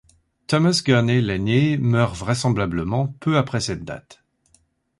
Thomas Gurney l'Aîné meurt vraisemblablement peu après cette date.